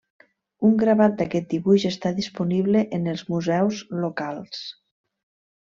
Un gravat d'aquest dibuix està disponible en els museus locals.